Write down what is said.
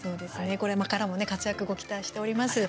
これからもね活躍ご期待しております。